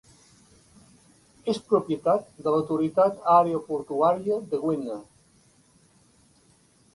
És propietat de l'autoritat aeroportuària de Gwinner.